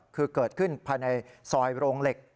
คือเกิดขึ้นภายในซอยโรงเหล็ก